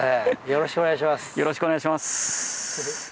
よろしくお願いします。